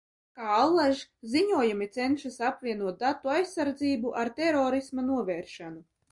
Kā allaž, ziņojumi cenšas apvienot datu aizsardzību ar terorisma novēršanu.